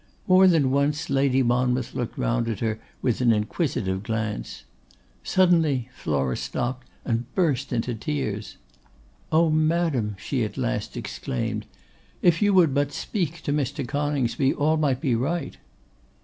More than once Lady Monmouth looked round at her with an inquisitive glance. Suddenly Flora stopped and burst into tears. 'O! madam,' she at last exclaimed, 'if you would but speak to Mr. Coningsby, all might be right!